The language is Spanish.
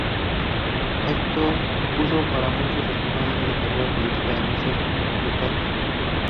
Esto supuso para muchos el final de la carrera política de Michael Dukakis.